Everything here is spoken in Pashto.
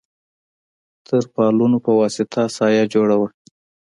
تر پالونو په واسطه سایه جوړه وه.